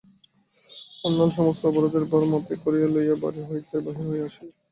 হরলাল সমস্ত অপরাধের ভার মাথায় করিয়া লইয়া বাড়ি হইতে বাহির হইয়া আসিল।